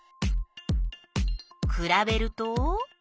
くらべると？